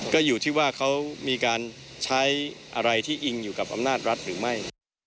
ก็อยู่ที่ว่าเขามีการใช้อะไรที่อิงอยู่กับอำนาจรัฐหรือไม่